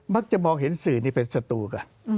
มักจะมองเห็นสื่อนี่เป็นศัตรูกัน